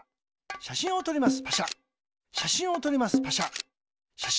しゃしんをとります。